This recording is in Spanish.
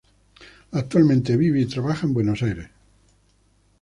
Actualmente, vive y trabaja en Buenos Aires.